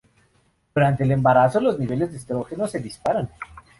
Durante el embarazo, los niveles de estrógenos se disparan.